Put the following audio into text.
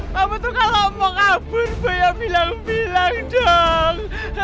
maksudnya kalau mau kabur boleh bilang bilang dong